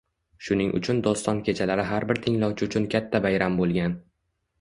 Shuning uchun doston kechalari har bir tinglovchi uchun katta bayram bo'lgan